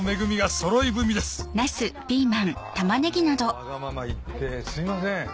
わがまま言ってすいません。